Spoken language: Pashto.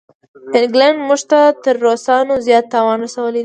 انګلینډ موږ ته تر روسانو زیات تاوان رسولی دی.